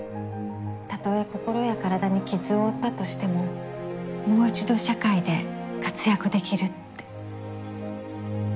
たとえ心や体に傷を負ったとしてももう１度社会で活躍できるって。